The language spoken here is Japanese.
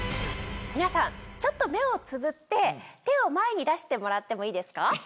皆さんちょっと目をつぶって手を前に出してもらってもいいですか？